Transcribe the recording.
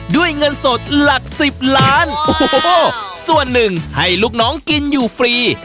ด้วยเงินสดหลักสิบล้านโอ้โหส่วนหนึ่งให้ลูกน้องกินอยู่ฟรี